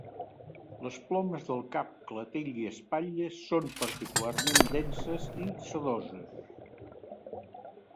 Les plomes del cap, clatell i espatlles són particularment denses i sedoses.